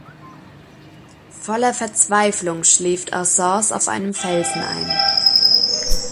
Voller Verzweiflung schläft Arsace auf einem Felsen ein.